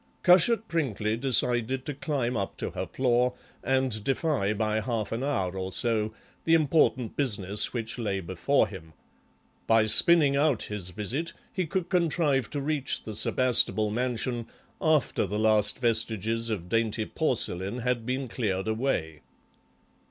Cushat Prinkly decided to climb up to her floor and defer by half an hour or so the important business which lay before him; by spinning out his visit he could contrive to reach the Sebastable mansion after the last vestiges of dainty porcelain had been cleared away.